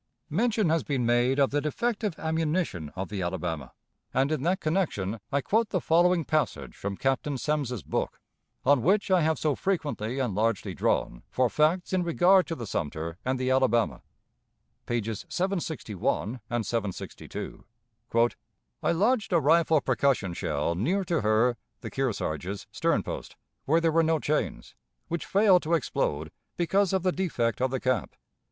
Mention has been made of the defective ammunition of the Alabama, and in that connection I quote the following passage from Captain Semmes's book, on which I have so frequently and largely drawn for facts in regard to the Sumter and the Alabama (pages 761, 762): "I lodged a rifle percussion shell near to her [the Kearsarge's] sternpost where there were no chains which failed to explode because of the defect of the cap.